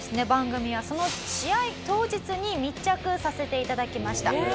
番組はその試合当日に密着させていただきました。